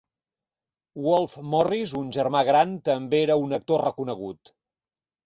Wolfe Morris, un germà gran, també era un actor reconegut.